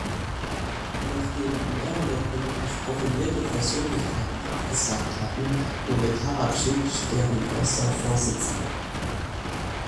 Nachdem mehrere politisch profilierte Persönlichkeiten abgesagt hatten, wurde Karadžić deren erster Vorsitzender.